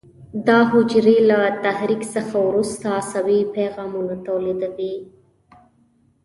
دا حجرې له تحریک څخه وروسته عصبي پیغامونه تولیدوي.